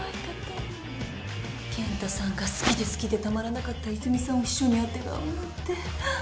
健太さんが好きで好きでたまらなかった泉さんを秘書にあてがうなんて。